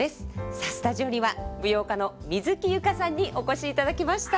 さあスタジオには舞踊家の水木佑歌さんにお越しいただきました。